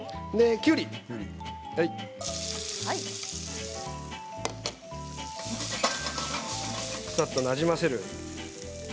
きゅうりさっとなじませる。